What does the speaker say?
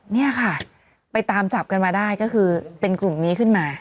นี่ค่ะไปตามจับกันมาได้ก็คือเป็นกลุ่มนี้ขึ้นมา